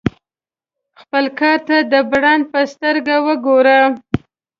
خپل کار ته د برانډ په سترګه وګوره.